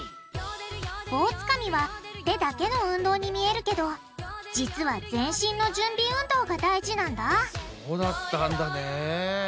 棒つかみは手だけの運動に見えるけど実は全身の準備運動が大事なんだそうだったんだね。